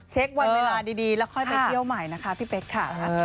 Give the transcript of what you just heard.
เช็ควันเวลาดีแล้วค่อยไปเที่ยวใหม่นะคะพี่เป๊กค่ะ